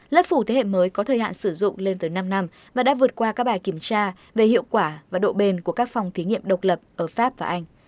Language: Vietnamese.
lớp phủ thế hệ mới có thời hạn sử dụng lên tới năm năm và đã vượt qua các bài kiểm tra về hiệu quả và độ bền của các phòng thí nghiệm độc lập ở pháp và anh